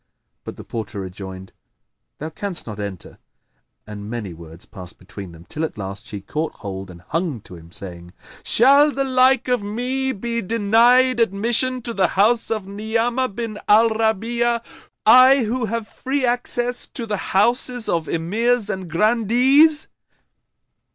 But the porter rejoined, "Thou canst not enter;" and many words passed between them, till at last she caught hold and hung to him saying, "Shall the like of me be denied admission to the house of Ni'amah bin al Rabi'a, I who have free access to the houses of Emirs and Grandees?"